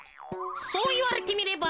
そういわれてみれば。